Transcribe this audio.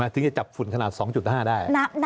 ถึงจะจับฝุ่นขนาด๒๕ได้